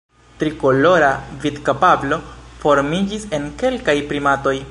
Trikolora vidkapablo formiĝis en kelkaj primatoj.